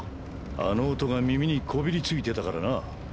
あの音が耳にこびり付いてたからな。